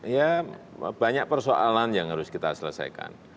ya banyak persoalan yang harus kita selesaikan